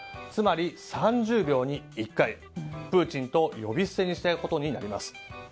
つまり、３０秒に１回プーチンと呼び捨てにしていることになります。